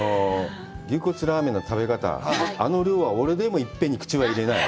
牛骨ラーメンの食べ方あの量は俺でも一遍に口には入れない。